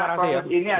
memang lebih ada